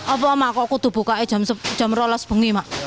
apa mak kok kutuh buka jam dua belas lagi mak